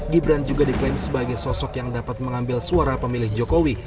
gibran juga diklaim sebagai sosok yang dapat mengambil suara pemilih jokowi